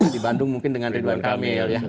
di bandung mungkin dengan ridwan kamil ya